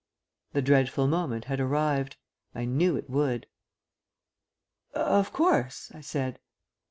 The dreadful moment had arrived. I knew it would. "Of course," I said.